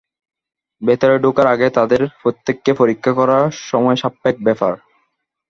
ভেতরে ঢোকার আগে তাঁদের প্রত্যেককে পরীক্ষা করা সময়সাপেক্ষ ব্যাপার।